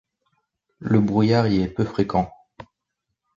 Le brouillard y est peu fréquent.